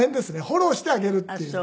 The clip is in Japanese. フォローしてあげるっていう。